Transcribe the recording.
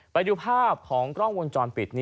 ไปดูภาพของกล้องวงจรปิด